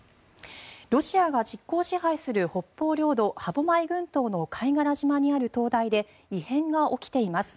ロシアが実効支配する北方領土、歯舞群島の貝殻島にある灯台で異変が起きています。